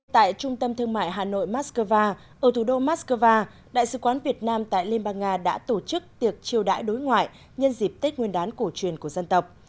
tại trung tâm thương mại hà nội moscow ở thủ đô moscow đại sứ quán việt nam tại liên bang nga đã tổ chức tiệc chiêu đãi đối ngoại nhân dịp tết nguyên đán cổ truyền của dân tộc